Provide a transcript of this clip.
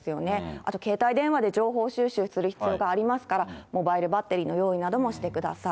あと携帯電話で情報収集する必要がありますから、モバイルバッテリーの用意などもしてください。